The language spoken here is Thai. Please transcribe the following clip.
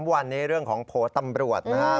วันนี้เรื่องของโผล่ตำรวจนะฮะ